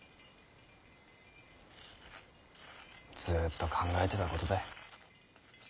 ずっと考えてたことだ。